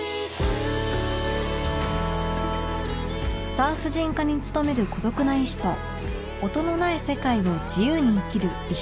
産婦人科に勤める孤独な医師と音のない世界を自由に生きる遺品整理士